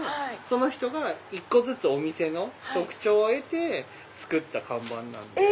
その人が１個ずつお店の特徴を得て作った看板なんです。